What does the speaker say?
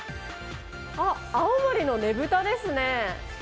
あっ、青森のねぶたですね。